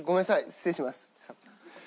失礼します。